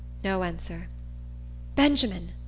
No answer. "Benjamin!"